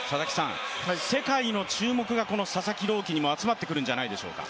世界の注目がこの佐々木朗希にも集まってくるんじゃないでしょうか。